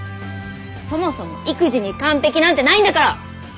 そもそも育児に完璧なんてないんだから！